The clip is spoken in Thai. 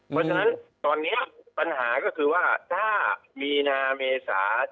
เพราะฉะนั้นตอนนี้ปัญหาก็คือว่าถ้ามีนาเมษา